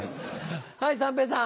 はい三平さん。